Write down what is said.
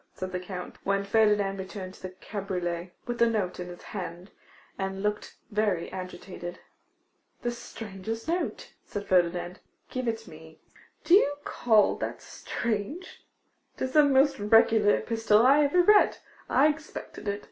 said the Count, when Ferdinand returned to the cabriolet, with the note in his hand, and looking very agitated. 'The strangest note!' said Ferdinand. 'Give it me,' said the Count. 'Do you call that strange? Tis the most regular epistle I ever read; I expected it.